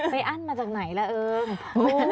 อั้นมาจากไหนล่ะเอิง